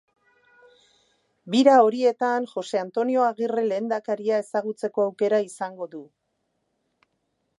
Bira horietan Jose Antonio Agirre Lehendakaria ezagutzeko aukera izango du.